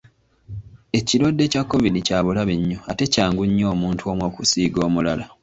Ekirwadde kya Kovidi kya bulabe nnyo ate kyangu nnyo omuntu omu okukisiiga omulala.